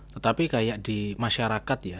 tetapi kayak di masyarakat ya